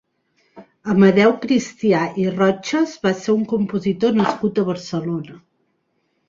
Amadeu Cristià i Rotches va ser un compositor nascut a Barcelona.